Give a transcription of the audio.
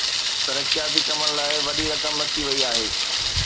ترقياتي ڪمن لاءِ وڏي رقم رکي وئي آهي.